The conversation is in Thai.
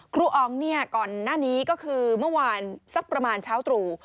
อองเนี่ยก่อนหน้านี้ก็คือเมื่อวานสักประมาณเช้าตรู่